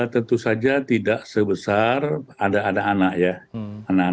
tentu saja tidak sebesar ada anak anak yang belum vaksinasi